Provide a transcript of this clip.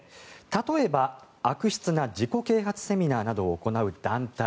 例えば、悪質な自己啓発セミナーなどを行う団体